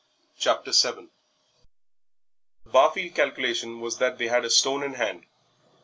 VII The Barfield calculation was that they had a stone in hand.